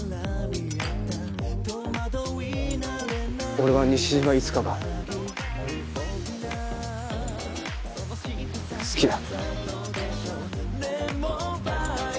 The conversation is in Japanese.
俺は西島いつかが好きだ。